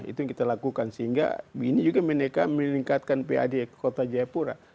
itu yang kita lakukan sehingga begini juga mereka meningkatkan pad kota jayapura